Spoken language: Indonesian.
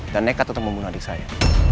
dan nekat untuk membunuh adik saya